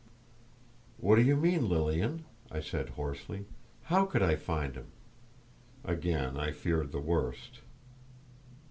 "What do you mean, Lilian?" I said, hoarsely. "How could I find him?" Again I feared the worst.